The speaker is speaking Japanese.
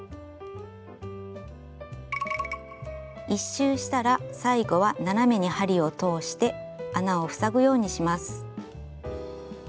１周したら最後は斜めに針を通して穴を塞ぐようにします。